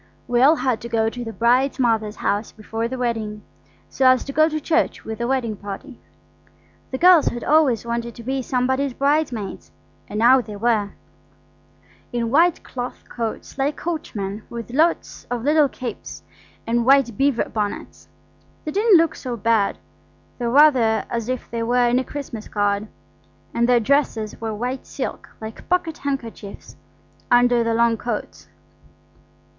We all had to go to the bride's mother's house before the wedding, so as to go to church with the wedding party. The girls had always wanted to be somebody's bridesmaids, and now they were–in white cloth coats like coachmen, with lots of little capes, and white beaver bonnets. They didn't look so bad, though rather as if they were in a Christmas card; and their dresses were white silk like pocket handkerchiefs under the long coats.